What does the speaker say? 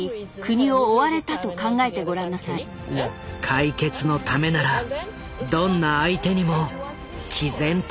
解決のためならどんな相手にもきぜんと立ち向かった。